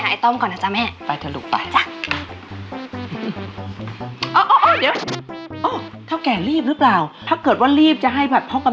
นี่ให้แบบปลอยเขาประกาศให้อืม